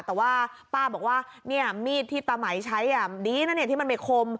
แต่ว่าป้าบอกว่าเนี่ยมีดที่ตาไหมใช้ดีนะเนี่ยที่มันไม่คม